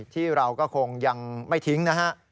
ที่เราก็คงยังไม่ทิ้งนะฮะ